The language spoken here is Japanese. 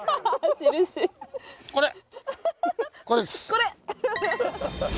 これ！